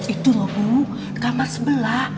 itu loh bu kamar sebelah